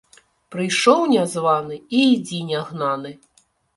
Прыйшоў не званы і ідзі не гнаны